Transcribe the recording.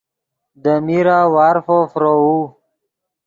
دے میرہ وارفو فروؤ